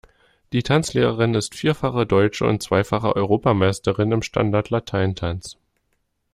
Die Tanzlehrerin ist vierfache deutsche und zweifache Europameisterin im Standart Latein Tanz.